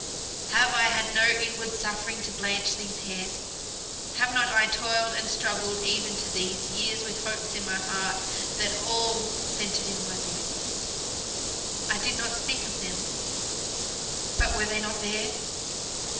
"Have I had no inward suffering to blanch these hairs? Have not I toiled and struggled even to these years with hopes in my heart that all centered in my boy? I did not speak of them, but were they not there?